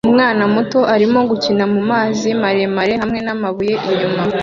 Umwana muto arimo gukina mumazi maremare hamwe namabuye inyuma